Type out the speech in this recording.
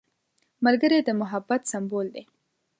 ملګری د محبت سمبول دی